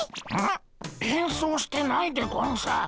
ん？変装してないでゴンス。